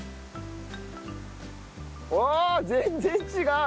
全然違う！